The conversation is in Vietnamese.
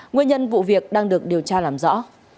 nguyên nhân vụ việc đang được điều tra làm rõ